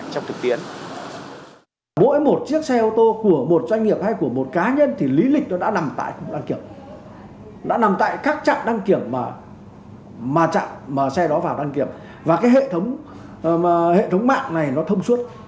cho các doanh nghiệp vận tải